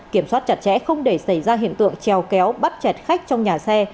kiểm soát chặt chẽ không để xảy ra hiện tượng trèo kéo bắt chẹt khách trong nhà xe